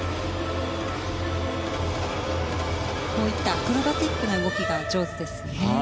アクロバティックな動きが上手ですね。